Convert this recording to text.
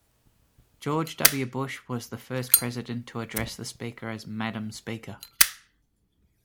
George W. Bush was the first president to address the speaker as "Madam Speaker".